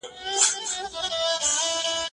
زه پرون بازار ته ځم وم،